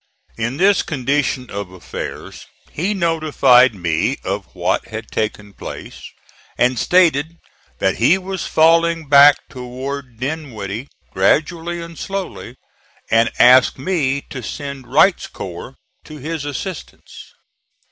In this condition of affairs he notified me of what had taken place and stated that he was falling back toward Dinwiddie gradually and slowly, and asked me to send Wright's corps to his assistance.